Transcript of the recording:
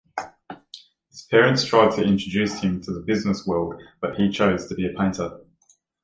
His parents tried to introduce him to the business world, but he chose to be a painter.